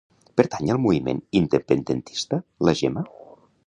Pertany al moviment independentista la Gemma?